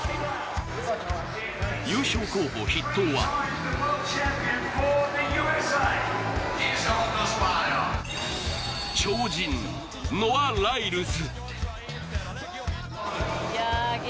優勝候補筆頭は超人、ノア・ライルズ。